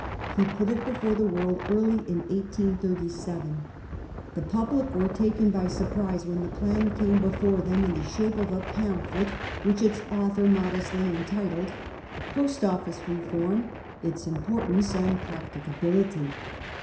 He put it before the world early in 1837. The public were taken by sur prise when the plan came before them in the shape of a pamphlet which its author modestly entitled ' Post Office Reform ; its importance and practicability.